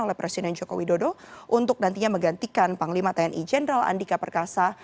oleh presiden joko widodo untuk nantinya menggantikan panglima tni jenderal andika perkasa